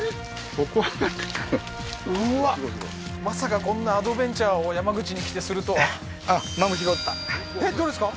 ここなんかうわまさかこんなアドベンチャーを山口に来てするとはあっマムシがおったえっどれですか？